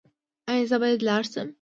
ایا زه باید لاړ شم؟